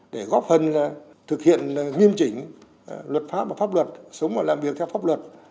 để góp phần thực hiện nghiêm chỉnh luật pháp và pháp luật sống và làm việc theo pháp luật